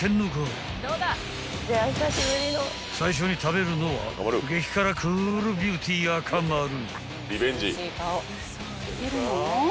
［最初に食べるのは激辛クールビューティー亞かまる］